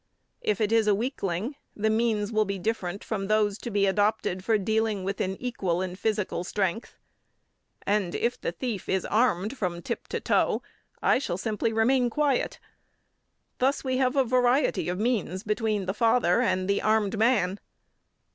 If it is a weakling, the means will be different from those to be adopted for dealing with an equal in physical strength; and, if the thief is armed from tip to toe, I shall simply remain quiet. Thus we have a variety of means between the father and the armed man.